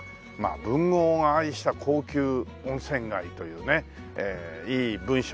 文豪が愛した高級温泉街というねいい文章が思いつきそうな